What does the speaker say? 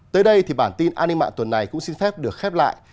tới đây thì bản tin an ninh mạng tuần này cũng xin phép được khép lại